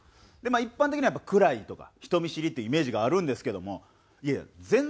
一般的にはやっぱり暗いとか人見知りっていうイメージがあるんですけどもいやいや全然違うんです。